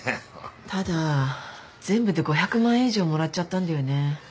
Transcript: ただ全部で５００万円以上もらっちゃったんだよね。